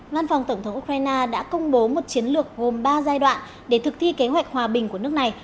văn phòng tổng thống ukraine đã công bố một chiến lược gồm ba giai đoạn để thực thi kế hoạch hòa bình của nước này